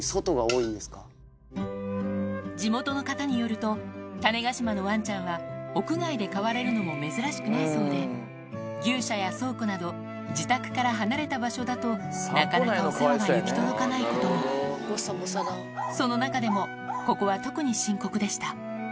地元の方によると種子島のワンちゃんは屋外で飼われるのも珍しくないそうで牛舎や倉庫など自宅から離れた場所だとなかなかお世話が行き届かないこともその中でもここは特に深刻でした